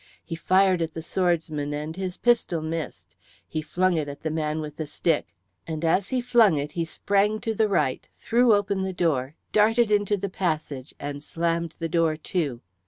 He fired at the swordsman and his pistol missed, he flung it at the man with the stick, and as he flung it he sprang to the right, threw open the door, darted into the passage, and slammed the door to.